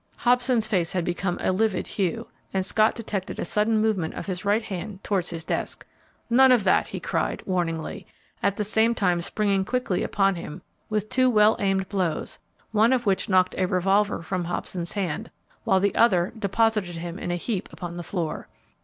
Hobson's face had become a livid hue, and Scott detected a sudden movement of his right hand towards his desk. "None of that!" he cried, warningly, at the same time springing quickly upon him with two well aimed blows, one of which knocked a revolver from Hobson's hand, while the other deposited him in a heap upon the floor.